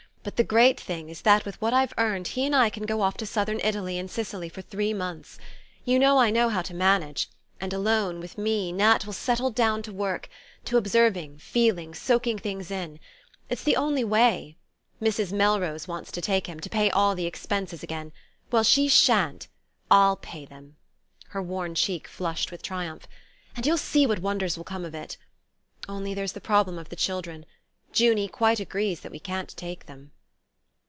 but the great thing is that with what I've earned he and I can go off to southern Italy and Sicily for three months. You know I know how to manage... and, alone with me, Nat will settle down to work: to observing, feeling, soaking things in. It's the only way. Mrs. Melrose wants to take him, to pay all the expenses again well she shan't. I'll pay them." Her worn cheek flushed with triumph. "And you'll see what wonders will come of it.... Only there's the problem of the children. Junie quite agrees that we can't take them...."